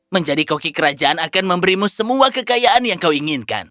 menjadi koki kerajaan akan memberimu semua kekayaan yang kau inginkan